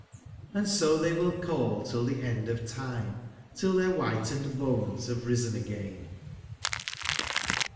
and so they will call till the end of time, till their w^hitened bones have risen again.